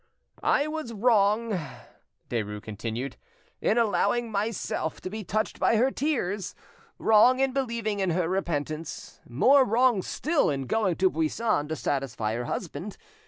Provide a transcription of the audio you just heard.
"I was wrong," Derues continued, "in allowing myself to be touched by her tears, wrong in believing in her repentance, more wrong still in going to Buisson to satisfy her husband.